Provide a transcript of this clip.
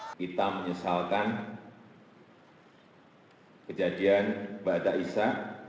jokowi menuntut bahwa proses hukum tersebut akan menghubungkan kejadian mbak dajisa